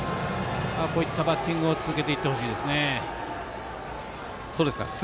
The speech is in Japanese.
こういったバッティングを続けていってほしいですね。